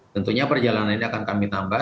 tentunya perjalanan ini akan kami tambah